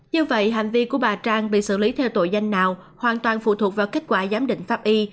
như vậy hành vi của bà trang bị xử lý theo tội danh nào hoàn toàn phụ thuộc vào kết quả giám định pháp y